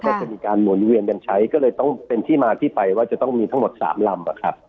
ก็จะมีการหมุนเวียนกันใช้ก็เลยต้องเป็นที่มาที่ไปว่าจะต้องมีทั้งหมด๓ลำ